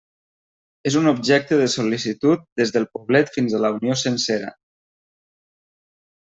És un objecte de sol·licitud des del poblet fins a la Unió sencera.